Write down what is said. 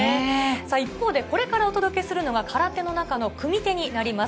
一方、これからお届けするのは空手の中の組手になります。